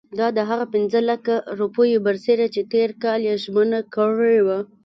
دا د هغه پنځه لکه روپیو برسېره چې تېر کال یې ژمنه کړې وه.